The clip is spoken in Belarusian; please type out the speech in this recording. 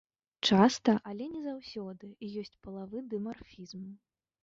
Часта, але не заўсёды, ёсць палавы дымарфізм.